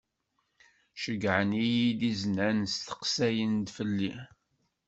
Ceyyɛen-iyi-d iznen steqsayen-d fell-i.